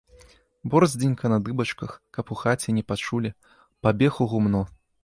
Борздзенька на дыбачках, каб у хаце не пачулі, пабег у гумно.